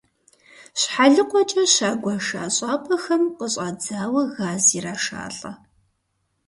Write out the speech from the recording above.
Щхьэлыкъуэкӏэ щагуэша щӏапӏэхэм къыщӏадзауэ газ ирашалӏэ.